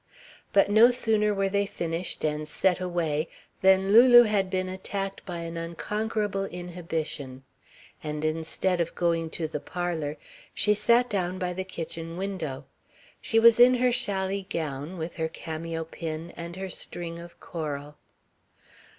But no sooner were they finished and set away than Lulu had been attacked by an unconquerable inhibition. And instead of going to the parlour, she sat down by the kitchen window. She was in her chally gown, with her cameo pin and her string of coral.